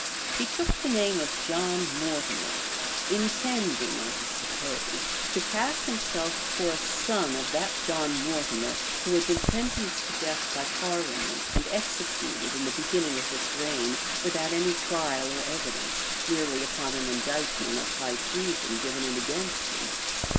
He took the name of John Mortimer; intending, as is supposed, to pass himself for a son of that Sir John Mortimer who had been sentenced to death by parliament, and executed, in the beginning of this reign, without any trial or evidence, merely upon an indictment of high treason given in against him.